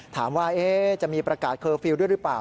ถามว่าจะมีประกาศเคอร์ฟิลล์ด้วยหรือเปล่า